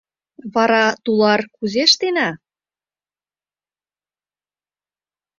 Вара, тулар, кузе ыштена?